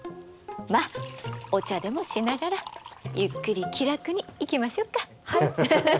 まあお茶でもしながらゆっくり気楽にいきましょうか。